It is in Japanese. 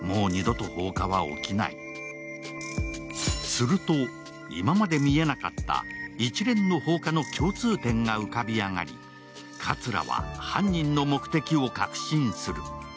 すると、今まで見えなかった一連の放火の共通点が浮かび上がり、葛は犯人の目的を確信する。